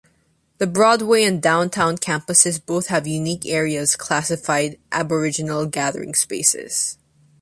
The Broadway and Downtown campuses both have unique areas classified Aboriginal Gathering Spaces.